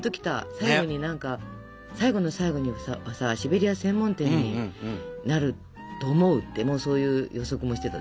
最後に何か最後の最後にはさシベリア専門店になると思うってもうそういう予測もしてたでしょ。ね。